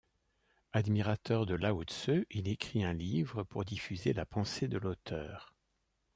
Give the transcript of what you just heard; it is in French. Admirateur de Lao Tseu, il écrit un livre pour diffuser la pensée de l'auteur.